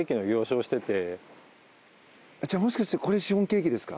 もしかしてこれシフォンケーキですか？